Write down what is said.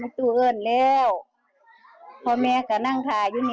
คุณผู้ชมต้องเข้าใจนะ